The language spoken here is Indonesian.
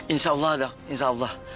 insya allah dah insya allah